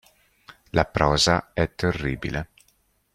La prosa è terribile.